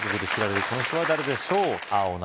この人は誰でしょう青何番？